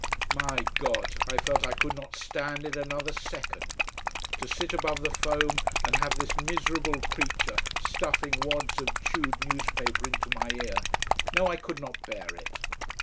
My God, I felt I could not stand it another second. To sit above the foam and have this miserable creature stuffing wads of chewed newspaper into my ear no, I could not bear it.